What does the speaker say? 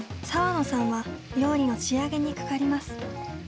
さわのさんは料理の仕上げにかかります。